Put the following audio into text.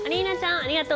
ありがとう！